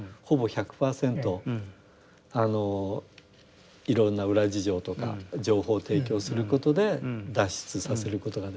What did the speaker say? あのいろんな裏事情とか情報を提供することで脱出させることができる。